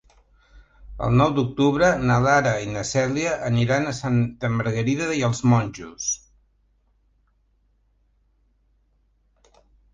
El nou d'octubre na Lara i na Cèlia aniran a Santa Margarida i els Monjos.